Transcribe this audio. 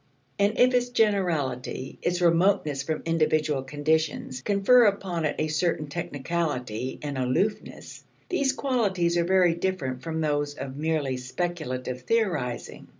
And if its generality, its remoteness from individual conditions, confer upon it a certain technicality and aloofness, these qualities are very different from those of merely speculative theorizing.